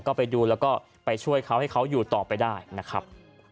ก็ไปดูแล้วก็ไปช่วยเขาให้เขาอยู่ต่อไปได้นะครับ